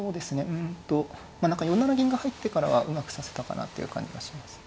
うんと何か４七銀が入ってからはうまく指せたかなっていう感じがしますね。